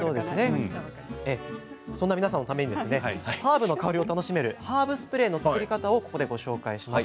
そんな皆さんのためにハーブの香りを楽しめるハーブスプレーの作り方をご紹介します。